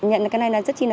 nhận cái này rất chi nè